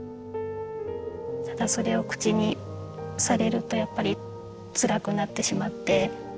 ただそれを口にされるとやっぱりつらくなってしまって。